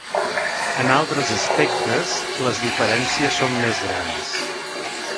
En altres aspectes les diferències són més grans.